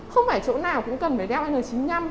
không phải chỗ nào cũng cần phải đeo n chín mươi năm